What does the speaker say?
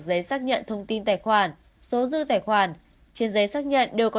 giấy xác nhận thông tin tài khoản số dư tài khoản trên giấy xác nhận đều có